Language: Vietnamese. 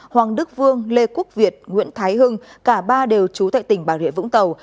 hoàng đức vương lê quốc việt nguyễn thái hưng cả ba đều trú tại tỉnh bạc đệ vũng tàu